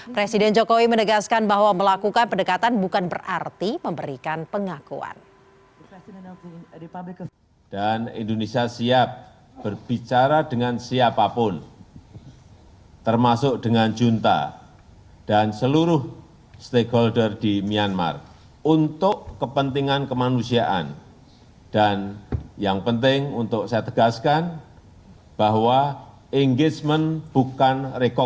presiden jokowi menegaskan bahwa melakukan pendekatan bukan berarti memberikan pengakuan